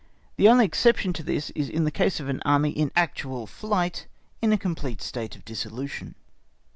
The only exception to this is in the case of an army in actual flight in a complete state of dissolution.